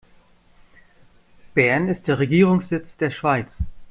Bern ist der Regierungssitz der Schweiz.